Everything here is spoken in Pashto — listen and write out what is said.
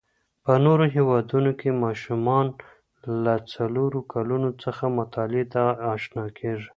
په نورو هیوادو کې ماشومان له څلورو کلونو څخه مطالعې ته آشنا کېږي.